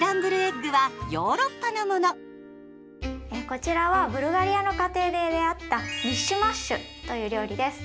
こちらはブルガリアの家庭で出会ったミッシュマッシュという料理です。